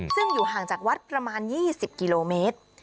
ซึ่งอยู่ห่างจากวัดประมาณ๒๐กิโลเมตร